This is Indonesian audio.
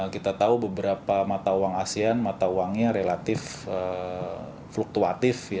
kita tahu beberapa mata uang asean mata uangnya relatif fluktuatif